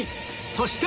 そして